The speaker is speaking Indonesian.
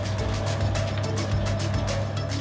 warga pun tak mencari